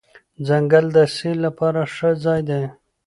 ځنګل د سیل لپاره ښه ځای دی.